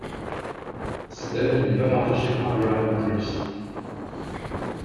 Cet avis n'est pas partagé par Graham Priest.